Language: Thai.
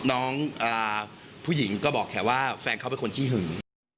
น้องผู้หญิงก็บอกแค่ว่าแฟนเขาเป็นคนขี้หึง